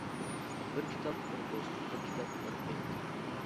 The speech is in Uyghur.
بىر كىتاب-بىر دوست، بىر كىتاب-بىر ھايات.